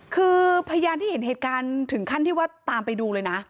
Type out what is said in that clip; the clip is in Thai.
คือพยานที่เห็นเหตุการณ์ถึงขั้นที่ว่าตามไปดูเลยนะ